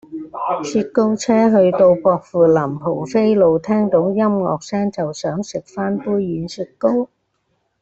雪糕車去到薄扶林蒲飛路聽到音樂聲就想食返杯軟雪糕